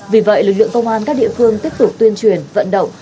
vì vậy lực lượng công an các địa phương tiếp tục tuyên truyền vận động